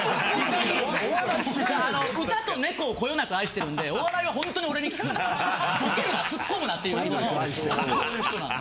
歌と猫をこよなく愛してるんでお笑いはホントに俺に聞くなボケるなツッコむなっていうそういう人なんで。